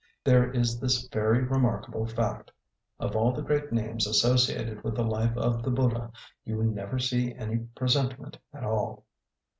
There is this very remarkable fact: of all the great names associated with the life of the Buddha, you never see any presentment at all.